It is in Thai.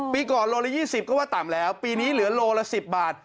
ปีก่อนโลละ๒๐ก็ว่าต่ำแล้วปีนี้เหลือโลละ๑๐บาท